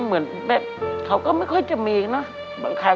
เหมือนแบบเขาก็ไม่ค่อยจะมีเนอะ